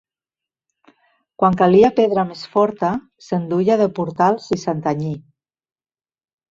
Quan calia pedra més forta, se'n duia de Portals i Santanyí.